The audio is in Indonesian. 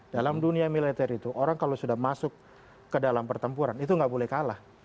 dalam dunia militer itu orang kalau sudah masuk ke dalam pertempuran itu nggak boleh kalah